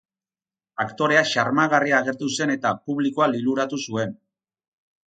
Aktorea xarmagarria agertu zen eta publikoa liluratu zuen.